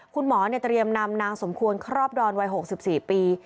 คุณหมอเตรียมนำนางสมควรครอบดอนวัย๖๔ปี